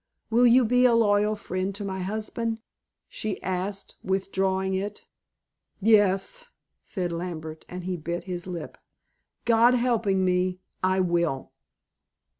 "Will you be a loyal friend to my husband?" she asked, withdrawing it. "Yes," said Lambert, and he bit his lip. "God helping me, I will."